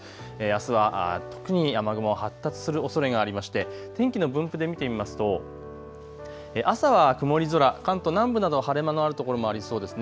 あすは特に雨雲、発達するおそれがありまして天気の分布で見てみますと朝は曇り空、関東南部など晴れ間のあるところもありそうです。